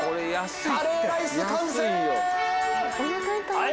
カレーライス完成！